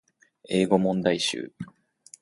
英語問題集